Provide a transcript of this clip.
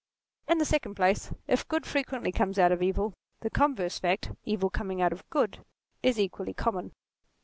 In the second place, if good frequently comes out of evil, the converse fact, evil coming out of good, is equally common.